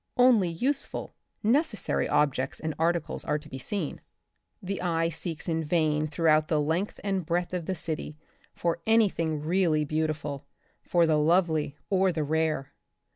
Only useful, neces sary objects and articles are to be seen. The eye seeks in vain throughout the length. and breadth of the city for any thing really beau tiful, for the lovely, or the rare.